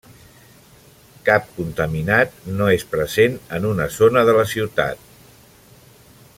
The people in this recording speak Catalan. Cap contaminat no és present en una zona de la ciutat.